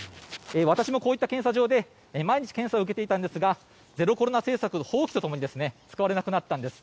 私もこういった検査場で毎日検査を受けていたんですがゼロコロナ政策放棄とともに使われなくなったんです。